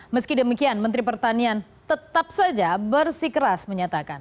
meski demikian menteri pertanian tetap saja bersikeras menyatakan